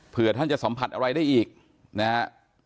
เพื่อท่านจะสัมผัสอะไรได้อีกนะฮะ